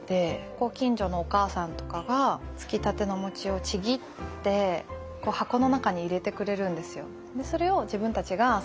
ご近所のお母さんとかがつきたてのお餅をちぎって箱の中に入れてくれるんですよ。